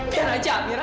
biar saja amira